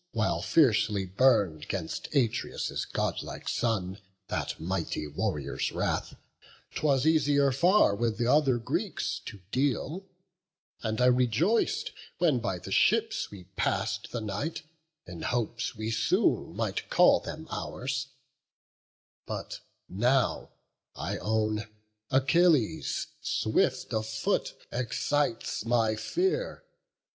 While fiercely burn'd 'gainst Atreus' godlike son That mighty warrior's wrath, 'twas easier far With th' other Greeks to deal; and I rejoic'd When by the ships we pass'd the night, in hopes We soon might call them ours; but now, I own Achilles, swift of foot, excites my fear.